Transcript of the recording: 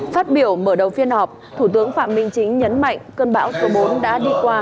phát biểu mở đầu phiên họp thủ tướng phạm minh chính nhấn mạnh cơn bão số bốn đã đi qua